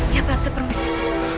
ya pak saya permisi